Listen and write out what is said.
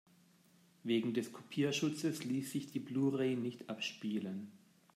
Wegen des Kopierschutzes ließ sich die Blu-ray nicht abspielen.